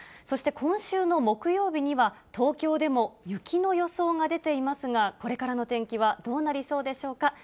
そして今週の木曜日には、東京でも雪の予想が出ていますが、これからの天気はどうなりそうでしょうか。